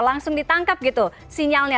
langsung ditangkap gitu sinyalnya